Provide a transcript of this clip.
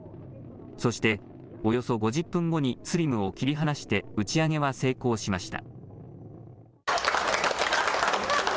そして、およそ５０分後にＳＬＩＭを切り離して打ち上げは成功しました。